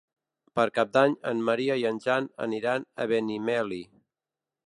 Per Cap d'Any en Maria i en Jan aniran a Benimeli.